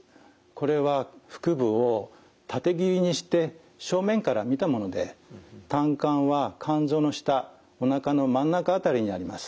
これは腹部を縦切りにして正面から見たもので胆管は肝臓の下おなかの真ん中辺りにあります。